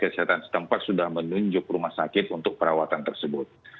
kesehatan setempat sudah menunjuk rumah sakit untuk perawatan tersebut